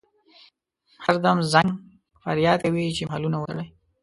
هر دم زنګ فریاد کوي چې محملونه وتړئ.